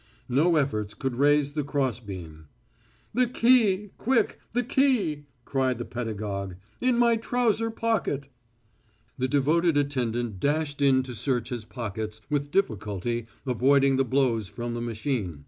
No efforts could raise the cross beam. "The key! Quick, the key!" cried the pedagogue. "In my trouser pocket." The devoted attendant dashed in to search his pockets, with difficulty avoiding blows from the machine.